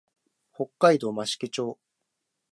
北海道増毛町